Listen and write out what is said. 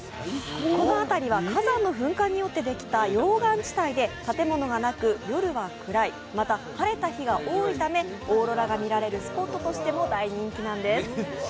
この辺りは火山の噴火によってできた溶岩地帯で建物がなく、夜が暗い、また晴れた日が多いため、オーロラが見られるスポットとしても大人気なんです。